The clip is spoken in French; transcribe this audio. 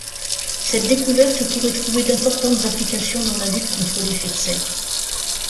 Cette découverte pourrait trouver d’importantes applications dans la lutte contre l’effet de serre.